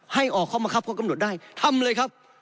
ให้ออกเข้ามาครับเขากำหนดได้ทำเลยครับ